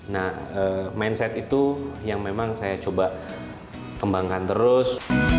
nah mindset itu yang memang saya coba kembangkan terus